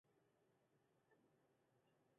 和合本圣经音译为隐基底。